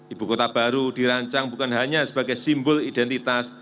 ibu kota baru dirancang bukan hanya sebagai simbol identitas